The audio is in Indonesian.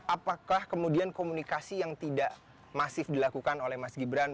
apakah kemudian komunikasi yang tidak masif dilakukan oleh mas gibran